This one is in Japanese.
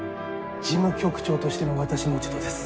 事務局長としての私の落ち度です。